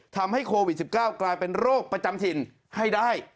ทำให้โควิด๑๙กลายเป็นโรคประจำถิ่นให้ได้